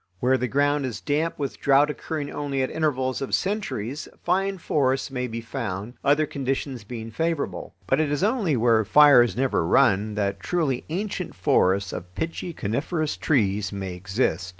Where the ground is damp, with drouth occurring only at intervals of centuries, fine forests may be found, other conditions being favorable. But it is only where fires never run that truly ancient forests of pitchy coniferous trees may exist.